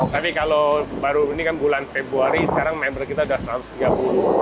tapi kalau baru ini kan bulan februari sekarang member kita sudah satu ratus tiga puluh